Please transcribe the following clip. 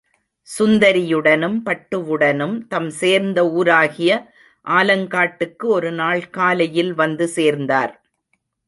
சுந்தரியுடனும், பட்டுவுடனும் தம் சேர்ந்த ஊராகிய ஆலங்காட்டுக்கு ஒருநாள் காலையில் வந்து சேர்ந்தார்.